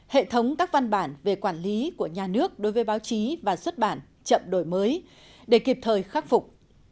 hệ thống các văn bản về quản lý của nhà nước đối với báo chí và xuất bản chậm đổi mới để kịp thời khắc phục